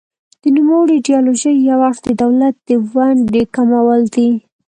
د نوموړې ایډیالوژۍ یو اړخ د دولت د ونډې کمول دي.